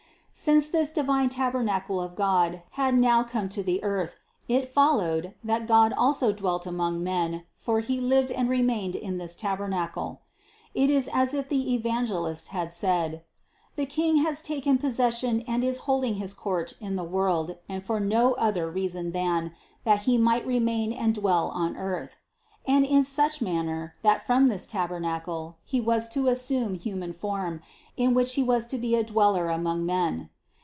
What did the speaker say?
Since this divine tabernacle of God had now come to the earth, it followed, that God also dwelt among men for He lived and remained in this tabernacle. It is as if the Evangel ist had said : the King has taken possession and is hold ing his court in the world and for no other reason than, that He might remain and dwell on earth. And in such manner, that from this tabernacle He was to assume the human form, in which He was to be a Dweller among men.